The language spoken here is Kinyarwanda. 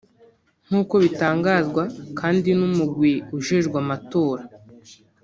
nk'uko bitangazwa kandi n'umugwi ujejwe amatora